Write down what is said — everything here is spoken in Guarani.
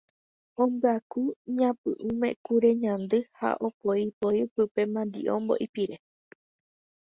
Ombyaku ñapy'ῦme kure ñandy ha opoipoi pype mandi'o mbo'ipyre.